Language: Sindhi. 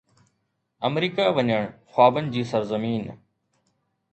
آمريڪا وڃڻ، خوابن جي سرزمين